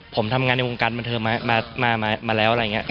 ผมทำงานในวงการบันเทิงมาแล้วอะไรอย่างนี้